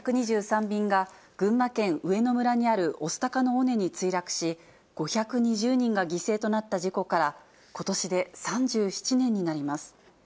便が、群馬県上野村にある御巣鷹の尾根に墜落し、５２０人が犠牲となった事故から、ことしで３７年になります。